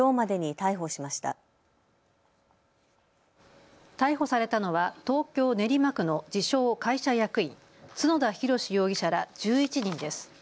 逮捕されたのは東京練馬区の自称・会社役員、角田弘容疑者ら１１人です。